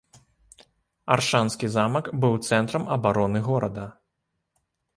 Аршанскі замак быў цэнтрам абароны горада.